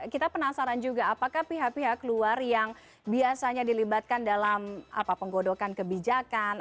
kita penasaran juga apakah pihak pihak luar yang biasanya dilibatkan dalam penggodokan kebijakan